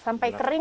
iya sampai kering